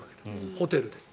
ホテルで。